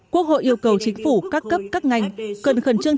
quốc hội yêu cầu chính phủ các cấp các ngành cần khẩn trương